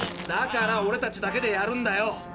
だからオレたちだけでやるんだよ。